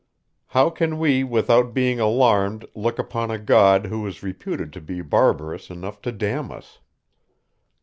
How can we, without being alarmed, look upon a God, who is reputed to be barbarous enough to damn us?